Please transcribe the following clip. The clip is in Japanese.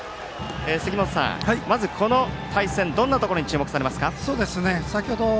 杉本さん、まずこの対戦どんなところに注目されますか？